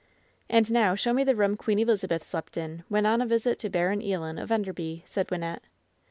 "And now show me the room Queen Elizabeth slept in when on a visit to Baron Ealon, of Enderby," said Wynnette.